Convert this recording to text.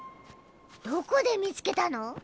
どこで見つけたの？